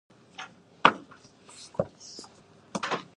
是你的；是我的，三商巧福。